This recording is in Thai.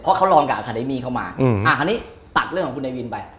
เพราะเขาลองกับอาคาเดมี่เข้ามาคราวนี้ตัดเรื่องของคุณเนวินไป